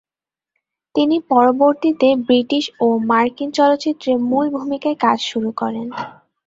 তিনি পরবর্তীতে ব্রিটিশ ও মার্কিন চলচ্চিত্রে মূল ভূমিকায় কাজ শুরু করেন।